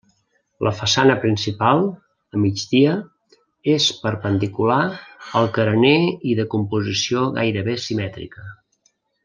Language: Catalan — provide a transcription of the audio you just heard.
La façana principal, a migdia, és perpendicular al carener i de composició gairebé simètrica.